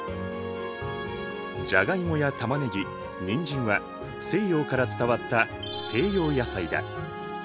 じゃがいもやたまねぎにんじんは西洋から伝わった西洋野菜だ。